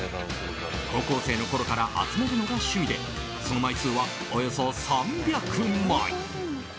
高校生のころから集めるのが趣味でその枚数は、およそ３００枚。